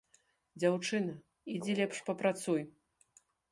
Дзяўчына, ідзі лепш папрацуй.